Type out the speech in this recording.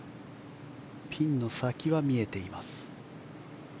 ピンの先は見えています。